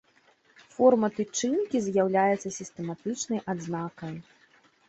Форма тычынкі з'яўляецца сістэматычнай адзнакай.